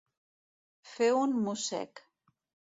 Fer un mossec.